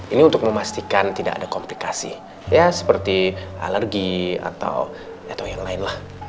ini untuk memastikan tidak ada komplikasi seperti alergi atau yang lain lah